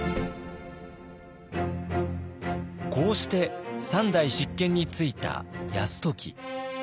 こうして３代執権に就いた泰時。